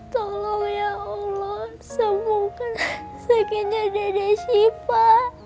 tolong ya allah sembuhkan sakitnya dede siva